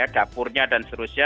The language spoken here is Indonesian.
dapurnya dan seterusnya